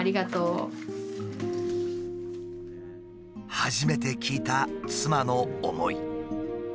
初めて聞いた妻の思い。